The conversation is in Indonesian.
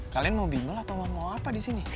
kalian mau bimbel atau mau apa disini